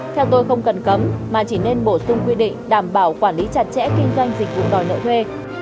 theo tôi không cần cấm mà chỉ nên bổ sung quy định đảm bảo quản lý chặt chẽ kinh doanh dịch vụ đòi nợ thuê